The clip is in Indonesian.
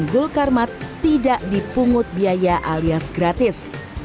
dengan hulkar mat tidak dipungut biaya alias gratis